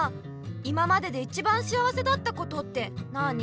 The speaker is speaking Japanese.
今までで一番幸せだったことってなあに？